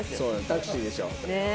タクシーでしょ。